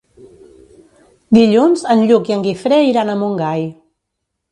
Dilluns en Lluc i en Guifré iran a Montgai.